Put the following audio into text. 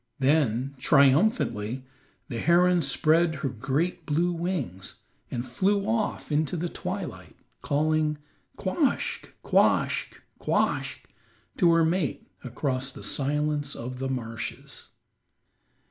Then, triumphantly, the heron spread her great blue wings and flew off into the twilight, calling "quoskh, quoskh, quoskh" to her mate across the silence of the marshes.